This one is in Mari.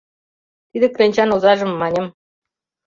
Тиде кленчан озажым, маньым.